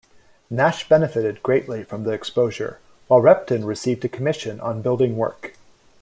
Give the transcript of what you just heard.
Nash benefited greatly from the exposure, while Repton received a commission on building work.